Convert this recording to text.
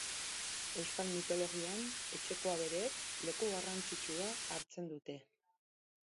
Euskal mitologian etxeko abereek leku garrantzitsua hartzen dute.